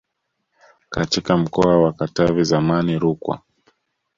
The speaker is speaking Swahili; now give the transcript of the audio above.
katika mkoa wa Katavi zamani Rukwa